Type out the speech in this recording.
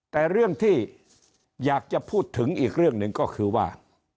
แต่เรื่องที่อยากจะพูดถึงอีกเรื่องหนึ่งก็คือว่า